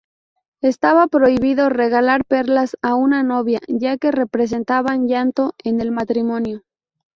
Estaba prohibido regalar perlas a una novia, ya que representaban llanto en el matrimonio.